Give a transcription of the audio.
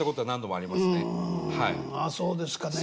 あそうですかねえ。